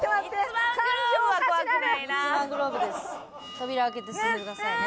扉開けて進んでくださいね。